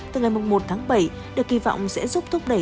từ ngày một tháng bảy được kỳ vọng sẽ giúp thúc đẩy